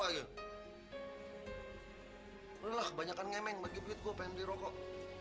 lelah kebanyakan ngemeng bagi bagi gue pengen dirokok